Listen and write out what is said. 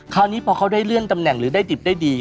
คราวนี้พอเขาได้เลื่อนตำแหน่งหรือได้ดิบได้ดี